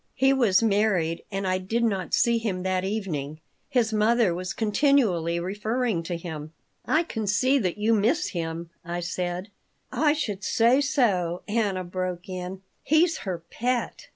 He was married and I did not see him that evening. His mother was continually referring to him "I can see that you miss him," I said "I should say so," Anna broke in. "He's her pet."